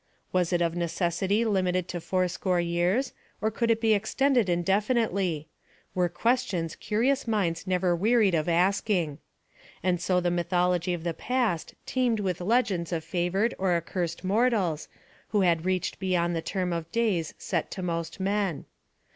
Was it of necessity limited to fourscore years, or could it be extended indefinitely? were questions curious minds never wearied of asking. And so the mythology of the past teemed with legends of favored or accursed mortals, who had reached beyond the term of days set to most men.